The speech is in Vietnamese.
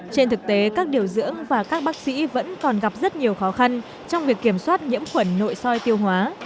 trên thực tế các điều dưỡng và các bác sĩ vẫn còn gặp rất nhiều khó khăn trong việc kiểm soát nhiễm khuẩn nội soi tiêu hóa